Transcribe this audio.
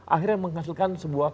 akhirnya menghasilkan sebuah